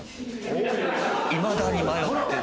いまだに迷ってんねん。